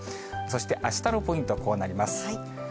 そして、あしたのポイントはこうなります。